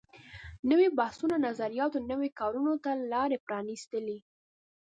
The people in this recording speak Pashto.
نويو بحثونو او نظریاتو نویو کارونو ته لارې پرانیستلې.